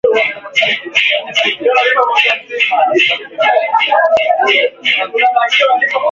Wanajeshi hao wametajwa kuwa “Jean Pierre Habyarimana mwenye namba za usajili mbili saba saba saba tisa.